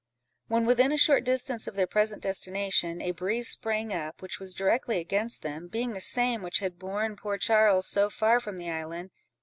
When within a short distance of their present destination, a breeze sprang up, which was directly against them, being the same which had borne poor Charles so far from the island.